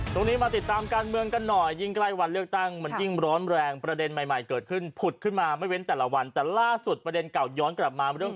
ตรงนี้มาติดตามการเมืองกันหน่อยยิ่งใกล้วันเลือกตั้งมันยิ่งร้อนแรงประเด็นใหม่เกิดขึ้นผุดขึ้นมาไม่เว้นแต่ละวันแต่ล่าสุดประเด็นเก่าย้อนกลับมาเรื่อง